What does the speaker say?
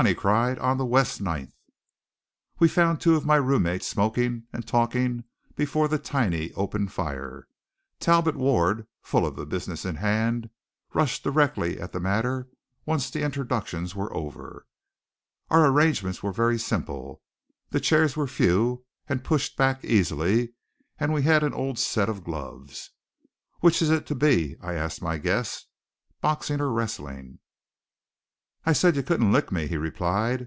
he cried, "on to West Ninth!" We found two of my roommates smoking and talking before the tiny open fire. Talbot Ward, full of the business in hand, rushed directly at the matter once the introductions were over. Our arrangements were very simple; the chairs were few and pushed back easily, and we had an old set of gloves. "Which is it to be?" I asked my guest, "boxing or wrestling?" "I said you couldn't lick me," he replied.